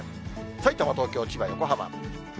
さいたま、東京、千葉、横浜。